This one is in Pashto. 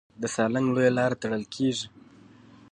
د سالنګ لویه لاره تړل کېږي.